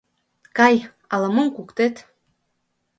Кай, ала-мом куктет.